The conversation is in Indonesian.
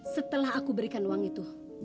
setelah aku berikan uang itu